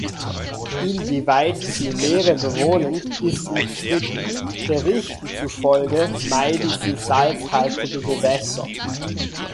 Inwieweit sie Meere bewohnen, ist umstritten, Berichten zufolge meiden sie salzhaltige Gewässer.